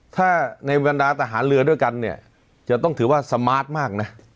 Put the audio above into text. ถ้าในบรรดาทหารเรือด้วยกันเนี่ยจะต้องถือว่าสมาร์ทมากนะ